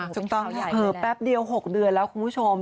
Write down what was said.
ถูกต้องแป๊บเดียว๖เดือนแล้วคุณผู้ชม